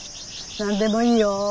何でもいいよ。